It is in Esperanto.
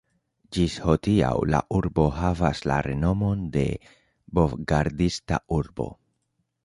Ĝis hodiaŭ la urbo havas la renomon de "bov-gardista urbo".